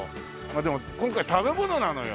でも今回食べ物なのよ。